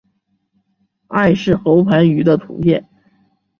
艾氏喉盘鱼的图片